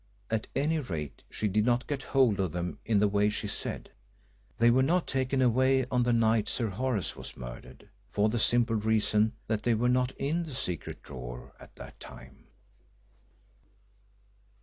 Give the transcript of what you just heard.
At any rate, she did not get hold of them in the way she said. They were not taken away on the night Sir Horace was murdered, for the simple reason that they were not in the secret drawer at the time."